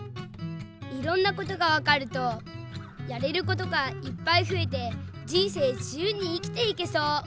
いろんなことがわかるとやれることがいっぱいふえてじんせいじゆうにいきていけそう。